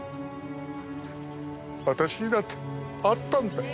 私にだってあったんだ